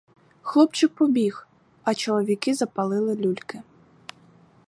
Хлопчик побіг, а чоловіки запалили люльки.